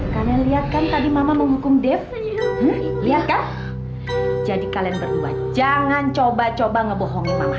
karena lihat kan tadi mama menghukum dev lihat kan jadi kalian berdua jangan coba coba ngebohongi mama